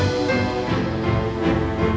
tidak ada bangsa